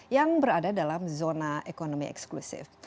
yang berada dalam zona ekonomi eksklusif